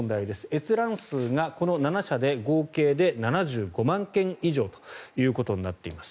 閲覧数がこの７社で合計で７５万件以上となっています。